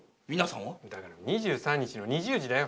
だから２３日の２０時だよ。